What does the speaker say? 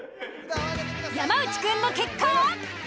山内くんの結果は？